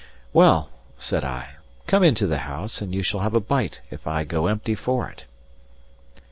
"Well," said I, "come into the house, and you shall have a bite if I go empty for it."